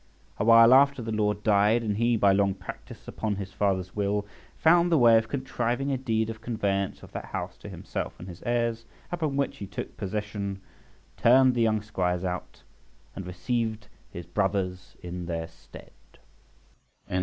A while after the lord died, and he, by long practice upon his father's will, found the way of contriving a deed of conveyance of that house to himself and his heirs; upon which he took possession, turned the young squires out, and received his brothers in their stead.